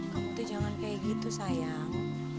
kamu tuh jangan kayak gitu sayang